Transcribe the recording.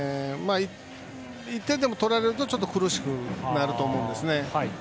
１点でも取られると、ちょっと苦しくなると思うんですね。